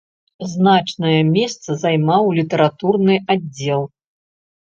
Значнае месца займаў літаратурны аддзел.